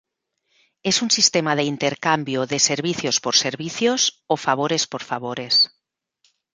Es un sistema de intercambio de servicios por servicios o favores por favores.